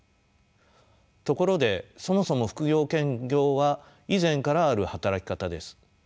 ところでそもそも副業・兼業は以前からある働き方です。